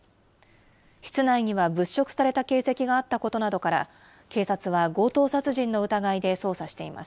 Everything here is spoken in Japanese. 室内には物色された形跡があったことなどから、警察は強盗殺人の疑いで捜査しています。